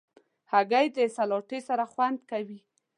هګۍ د سلاتې سره خوند کوي.